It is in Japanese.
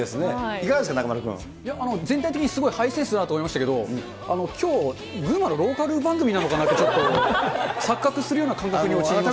いかがですか、全体的にすごいハイセンスだなと思いましたけれども、きょう、群馬のローカル番組なのかなって、ちょっと錯覚するような感覚に陥りました。